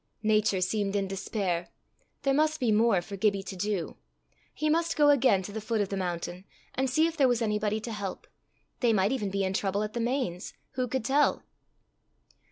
Nature seemed in despair. There must be more for Gibbie to do! He must go again to the foot of the mountain, and see if there was anybody to help. They might even be in trouble at the Mains, who could tell!